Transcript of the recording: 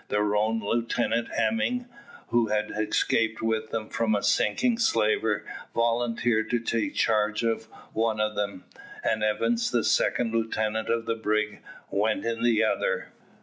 Their own lieutenant, Hemming, who had escaped with them from a sinking slaver, volunteered to take charge of one of them, and Evans, the second lieutenant of the brig, went in the other.